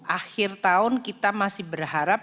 akhir tahun kita masih berharap